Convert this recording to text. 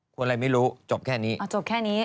คนไรไม่รู้จบแค่นี้